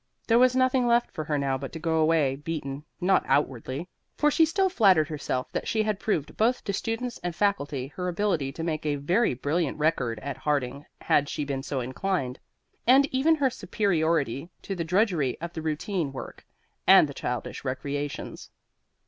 There was nothing left for her now but to go away beaten not outwardly, for she still flattered herself that she had proved both to students and faculty her ability to make a very brilliant record at Harding had she been so inclined, and even her superiority to the drudgery of the routine work and the childish recreations.